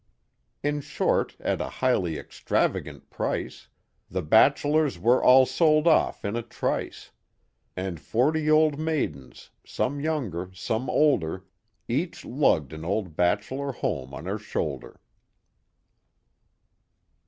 " In short, at a highly extravagant price The bachelors were all sold off in a trice. And forty old maidens, some younger, some older, Each lugged an old bachelor home on her shoulder.